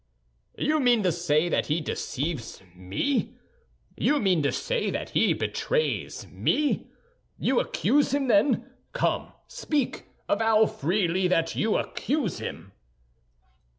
"You mean to say that he deceives me; you mean to say that he betrays me? You accuse him, then? Come, speak; avow freely that you accuse him!"